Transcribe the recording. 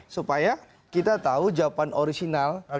supaya kita tahu jawaban orisinal